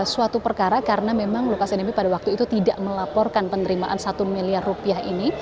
suatu perkara karena memang lukas nmb pada waktu itu tidak melaporkan penerimaan satu miliar rupiah ini